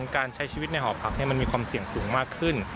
การใช้ชีวิตในหอพักมันมีความเสี่ยงสูงมากขึ้น